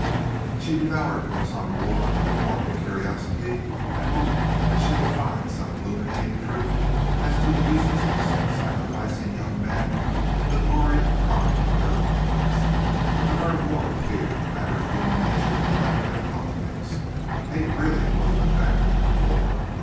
She devoured books on the war with a morbid curiosity and hope that she would find some illuminating truth as to the uselessness of sacrificing young men in the glory and prime of their lives. To her war appeared a matter of human nature rather than politics. Hate really was an effect of war.